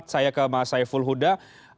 saya ke mas saiful huda